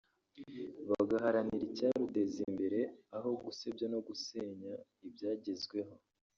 bagaharanira icyaruteza imbere aho gusebya no gusenya ibyagezweho